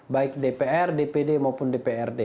baik dpr dpd maupun dprd